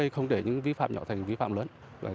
không để những vi phạm nhỏ thành vi phạm lớn